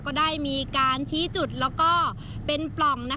ก็ได้มีการชี้จุดแล้วก็เป็นปล่อง